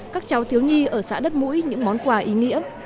các cháu thiếu nhi ở xã đất mũi những món quà ý nghĩa